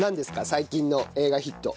最近の映画ヒット。